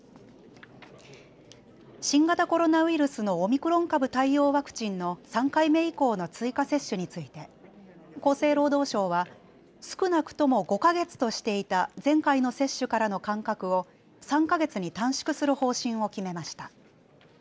新型コロナウイルスのオミクロン株対応ワクチンの３回目以降の追加接種について厚生労働省は少なくとも５か月としていた前回の接種からの間隔を３か月に短縮する方針を決めました。